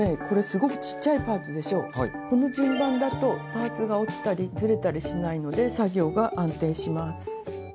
この順番だとパーツが落ちたりずれたりしないので作業が安定します。